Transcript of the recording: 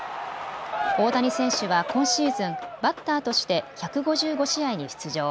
大谷選手は今シーズンバッターとして１５５試合に出場。